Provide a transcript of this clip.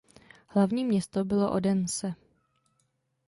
Hlavní město bylo Odense.